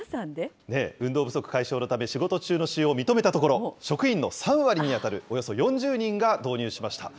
運動不足解消のため、仕事中の使用を認めたところ、職員の３割に当たるおよそ４０人が導入しました。